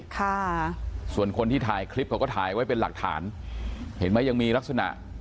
ค่ะส่วนคนที่ถ่ายคลิปเขาก็ถ่ายไว้เป็นหลักฐานเห็นไหมยังมีลักษณะ